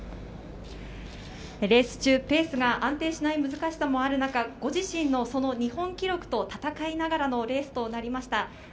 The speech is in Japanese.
レース中、ペースが安定しない難しさもある中、ご自身の日本記録と戦いながらのレースとなりました。